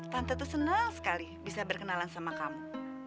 tante tuh seneng sekali bisa berkenalan sama kamu